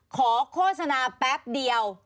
โฆษณาแป๊บเดียว